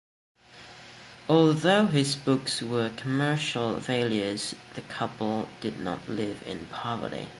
Although his books were commercial failures the couple did not live in poverty.